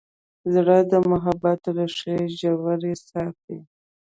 زړه د محبت ریښې ژورې ساتي.